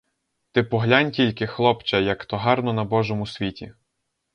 Ти поглянь тільки, хлопче, як то гарно на божому світі.